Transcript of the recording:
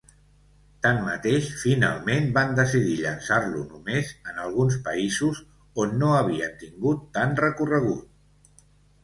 Tanmateix, finalment van decidir llançar-lo només en alguns països on no havien tingut tan recorregut.